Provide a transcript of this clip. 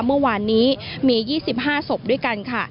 เมื่อวานนี้มี๒๕ศพด้วยกันค่ะ